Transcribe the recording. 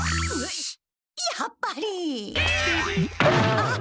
あっ！